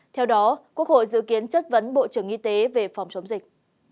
theo đó quốc hội dự kiến chất vấn bộ trưởng y tế về phòng chống dịch